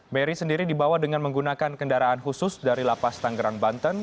mary sendiri dibawa dengan menggunakan kendaraan khusus dari lapas tanggerang banten